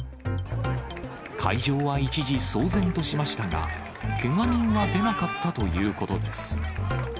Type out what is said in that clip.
会場は一時、騒然としましたが、けが人は出なかったということです。